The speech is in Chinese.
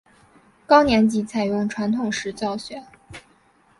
高年级采用传统式教学。